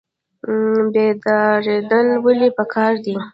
بیداریدل ولې پکار دي؟